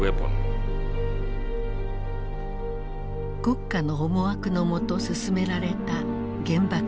国家の思惑のもと進められた原爆投下。